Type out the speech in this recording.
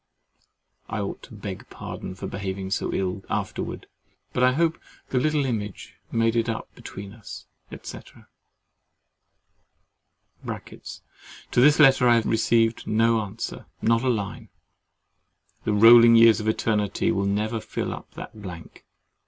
I ought to beg pardon for behaving so ill afterwards, but I hope THE LITTLE IMAGE made it up between us, &c. [To this letter I have received no answer, not a line. The rolling years of eternity will never fill up that blank.